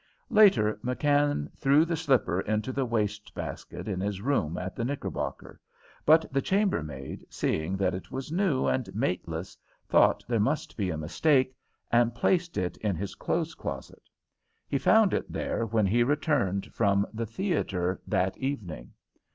Later McKann threw the slipper into the waste basket in his room at the Knickerbocker, but the chambermaid, seeing that it was new and mateless, thought there must be a mistake, and placed it in his clothes closet. He found it there when he returned from the theatre that evening.